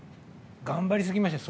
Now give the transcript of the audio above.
頑張りすぎましたね。